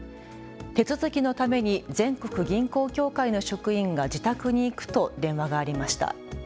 手続きのために全国銀行協会の職員が自宅に行くと電話がありました。